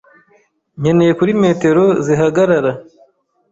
Nkeneye kuri metero zihagarara .